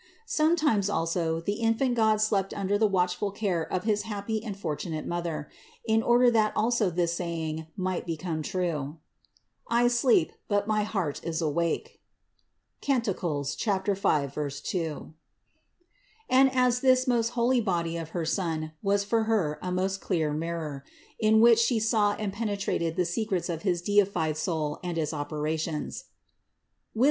Sometimes, also, the infant God slept under the watchful care of his happy and fortunate Mother; in order that also this saying might become true : "I sleep, but my heart is awake" (Cant. 5, 2). And as this most holy body of her Son was for Her a most clear mirror, in which She saw and penetrated the secrets of his deified Soul and its operations (Wis.